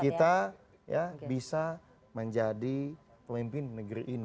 kita bisa menjadi pemimpin negeri ini